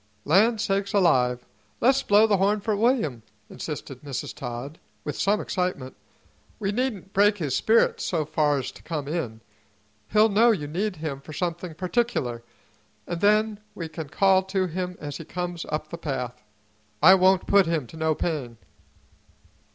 "Land sakes alive! Le's blow the horn for William," insisted Mrs. Todd, with some excitement. "He needn't break his spirit so far's to come in. He'll know you need him for something particular, an' then we can call to him as he comes up the path. I won't put him to no pain."